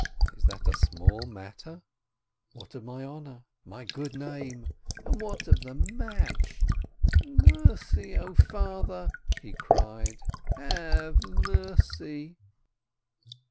Is that a small matter? What of my YOM KIPPUR 197 honor, my good name? And what of the match? "Mercy, 0 Father," he cried, "have mercy